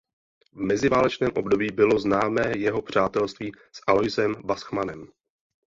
V meziválečném období bylo známé jeho přátelství s Aloisem Wachsmanem.